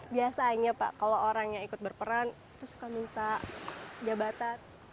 biasanya pak kalau orang yang ikut berperan itu suka minta jabatan